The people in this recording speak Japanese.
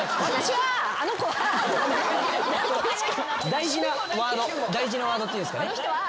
大事なワード大事なワードっていうんすかね。